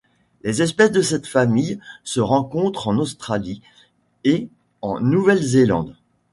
Les espèces de cette famille se rencontrent en Australie et en Nouvelle-Zélande.